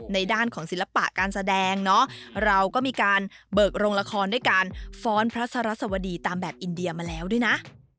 ด้านของศิลปะการแสดงเนาะเราก็มีการเบิกโรงละครด้วยการฟ้อนพระสรัสวดีตามแบบอินเดียมาแล้วด้วยนะ